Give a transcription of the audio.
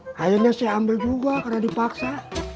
akhirnya saya ambil juga karena dipaksa